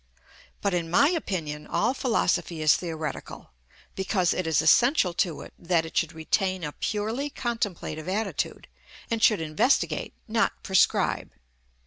But, in my opinion, all philosophy is theoretical, because it is essential to it that it should retain a purely contemplative attitude, and should investigate, not prescribe.